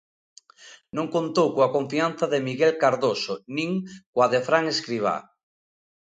Non contou coa confianza de Miguel Cardoso nin coa de Fran Escribá.